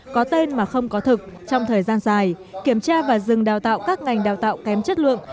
có tên mà không có thực trong thời gian dài kiểm tra và dừng đào tạo các ngành đào tạo kém chất lượng